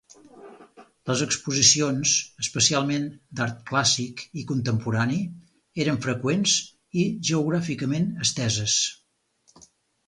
Les exposicions, especialment d’art clàssic i contemporani, eren freqüents i geogràficament esteses.